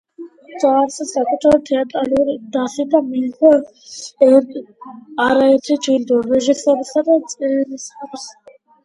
დააარსა საკუთარი თეატრალური დასი და მიიღო არაერთი ჯილდო რეჟისურისა და წერისათვის.